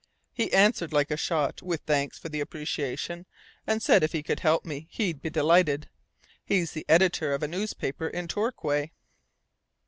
He answered like a shot, with thanks for the appreciation, and said if he could help me he'd be delighted. He's the editor of a newspaper in Torquay.